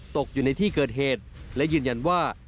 ตกอยู่ในที่เกิดเหตุและยืนยันว่า